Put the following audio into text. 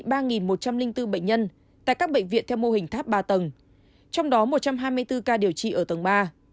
trong ba một trăm linh bốn bệnh nhân tại các bệnh viện theo mô hình tháp ba tầng trong đó một trăm hai mươi bốn ca điều trị ở tầng ba